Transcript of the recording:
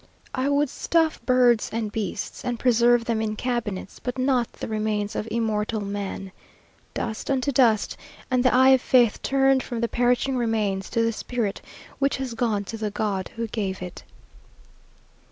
I would stuff birds and beasts, and preserve them in cabinets, but not the remains of immortal man. Dust unto dust; and the eye of faith turned from the perishing remains to the spirit which has gone to the God who gave it.